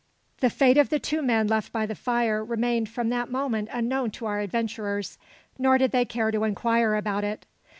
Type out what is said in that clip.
The fate of the two men left by the fire remained from that moment unknown to our adventurers. Nor did they care to inquire about it.